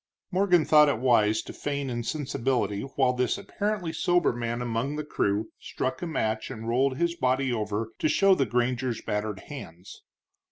Morgan thought it wise to feign insensibility while this apparently sober man among the crew struck a match and rolled his body over to show the granger's battered hands.